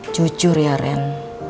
jujur ya ren